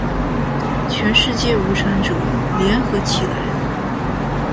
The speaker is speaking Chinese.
全世界无产者，联合起来！